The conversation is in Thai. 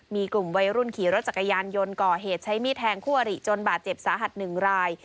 มีกลุ่มวัยรุ่นขี่รถจักรยานยนต์ก่อเหตุใช้มีดแทงคู่อริจนบาดเจ็บสาหัส๑ราย